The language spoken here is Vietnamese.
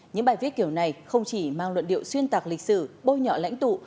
những bài viết kiểu này không chỉ mang luận điệu xuyên tạc lịch sử bôi nhọ lãnh tụ